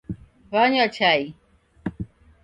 Wanywa chai